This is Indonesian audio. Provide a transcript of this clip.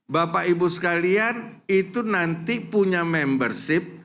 bapak ibu sekalian itu nanti punya membership